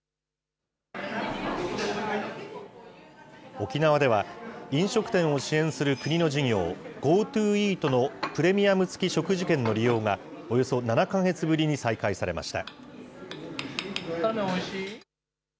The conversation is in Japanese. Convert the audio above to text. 沖縄では、飲食店を支援する国の事業、ＧｏＴｏイートのプレミアム付き食事券の利用が、およそ７か月ぶりに再開されました。